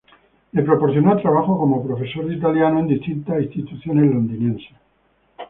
Le proporcionó trabajo como profesor de italiano en distintas instituciones londinenses.